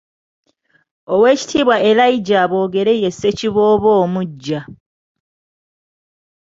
Oweekitiibwa Elijah Boogere ye Ssekiboobo omuggya .